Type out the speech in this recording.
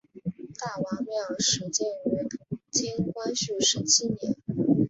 大王庙始建于清光绪十七年。